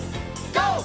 ＧＯ！